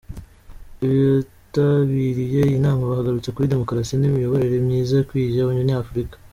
Abitabiriye iyi nama bagarutse kuri demukarasi n’imiyoborere myiza ikwiye Abanyafurika.